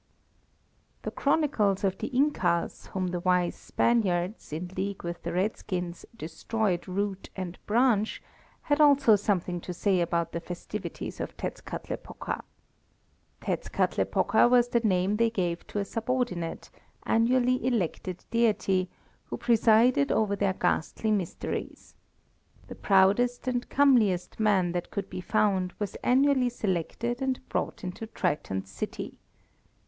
The chronicles of the Incas, whom the wise Spaniards, in league with the redskins, destroyed root and branch, had also something to say about the festivities of Tetzkatlepoka. Tetzkatlepoka was the name they gave to a subordinate, annually elected deity, who presided over their ghastly mysteries. The proudest and comeliest man that could be found was annually selected and brought into Triton's city.